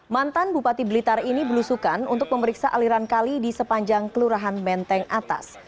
mantan bupati blitar ini belusukan untuk memeriksa aliran kali di sepanjang kelurahan menteng atas